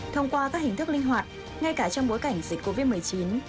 thông qua các hình thức linh hoạt ngay cả trong bối cảnh dịch covid một mươi chín